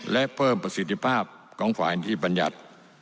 และเพิ่มประสิทธิภาพของฝ่ายอินทรีย์บรรยัตน์